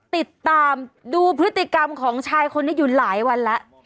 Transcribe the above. ติดตามดูพฤติกรรมของชายคนนี้อยู่หลายวันแล้ว